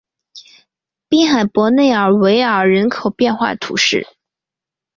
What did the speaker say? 滨海伯内尔维尔人口变化图示